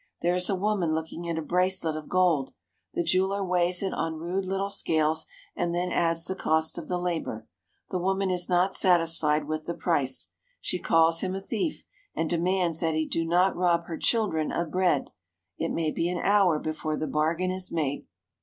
There is a woman looking at a bracelet of gold. The jeweller weighs it on rude little scales and then adds the cost of the labour. The woman is not satisfied with the price. She calls him a thief, and de mands that he do not rob her children of bread. It may be an hour before the bargain is made.